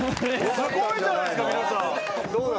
すごいじゃないですか皆さん。